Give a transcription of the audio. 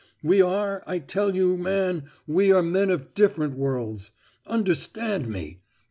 We are, I tell you, man, we are men of different worlds. Understand me!